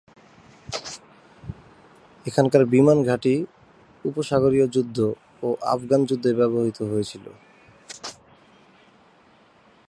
এখানকার বিমান ঘাঁটি উপসাগরীয় যুদ্ধ ও আফগান যুদ্ধে ব্যবহৃত হয়েছিল।